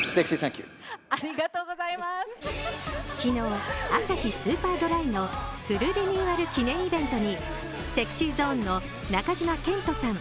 昨日、アサヒスーパードライのフルリニューアル記念イベントにＳｅｘｙＺｏｎｅの中島健人さん